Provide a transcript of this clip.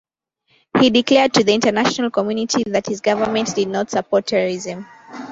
He declared to the international community that his government did not support terrorism.